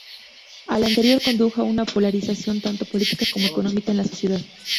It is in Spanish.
Lo anterior condujo a una polarización tanto política como económica en la sociedad.